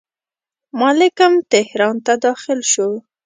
مالکم تهران ته داخل شو.